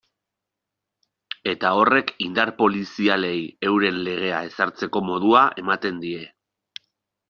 Eta horrek indar polizialei euren legea ezartzeko modua ematen die.